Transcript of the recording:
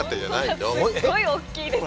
すごいおっきいですね